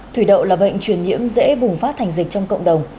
thủy đậu là bệnh truyền nhiễm dễ bùng phát thành dịch trong cộng đồng